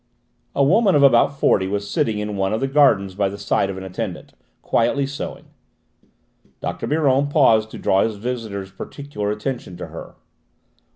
A woman of about forty was sitting in one of the gardens by the side of an attendant, quietly sewing. Dr. Biron paused to draw his visitor's particular attention to her.